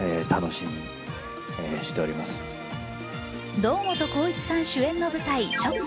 堂本光一さん主演の舞台「ＳＨＯＣＫ」。